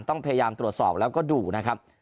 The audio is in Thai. ต้องพยายามตรวจสอบแล้วก็ดูนะครับ